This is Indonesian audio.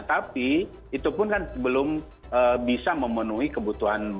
tapi itu pun kan belum bisa memenuhi kebutuhan